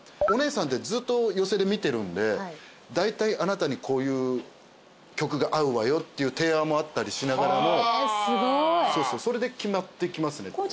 お姉さんってずっと寄席で見てるんでだいたい「あなたにこういう曲が合うわよ」っていう提案もあったりしながらのそれで決まってきますね。